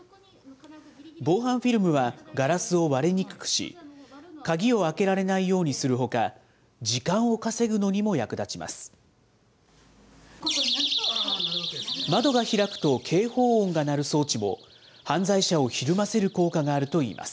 防犯フィルムはガラスを割れにくくし、鍵を開けられないようにするほか、時間を稼ぐのにも役立ちます。